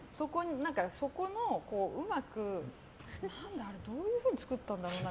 そこにうまくどういうふうに作ったんだろうな。